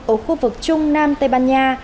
ở khu vực trung nam tây ban nha